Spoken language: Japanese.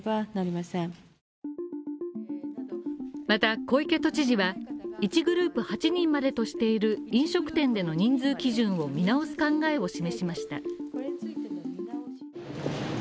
また、小池都知事は１グループ８人までとしている飲食店での人数基準を見直す考えを示しました。